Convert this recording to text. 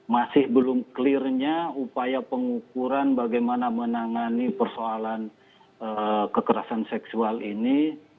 masih belum clearnya upaya pengukuran bagaimana menangani persoalan kekerasan seksual ini